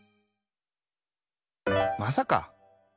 まさか！